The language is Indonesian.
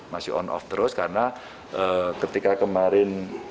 masih on off terus karena ketika kemarin